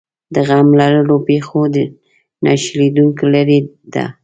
د غم لړلو پېښو نه شلېدونکې لړۍ ده.